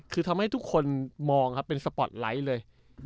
คือทำให้ทุกคนมองครับเป็นสปอร์ตไลท์เลย